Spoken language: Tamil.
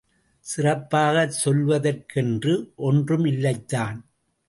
சிறப்பாகச் சொல்வதற்கு என்று ஒன்றும் இல்லைதான்.